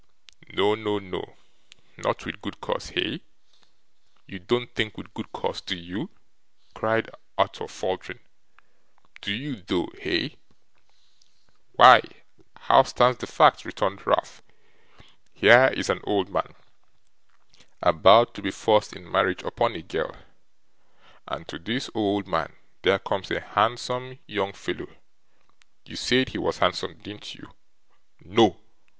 'No, no, no; not with good cause, hey? You don't think with good cause, do you?' cried Arthur, faltering. 'Do you though, hey?' 'Why, how stands the fact?' returned Ralph. 'Here is an old man about to be forced in marriage upon a girl; and to this old man there comes a handsome young fellow you said he was handsome, didn't you?' 'No!